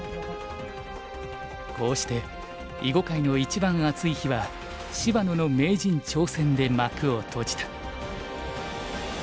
こうして囲碁界の一番熱い日は芝野の名人挑戦で幕を閉じた。